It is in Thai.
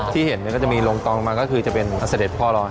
ที่เห็นก็จะมีลงตองมาก็คือจะเป็นเสด็จพ่อร้อย